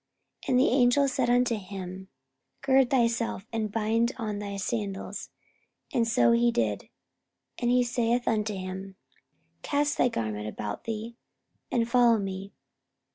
44:012:008 And the angel said unto him, Gird thyself, and bind on thy sandals. And so he did. And he saith unto him, Cast thy garment about thee, and follow me.